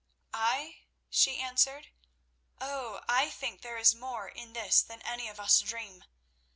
"I?" she answered. "Oh, I think there is more in this than any of us dream.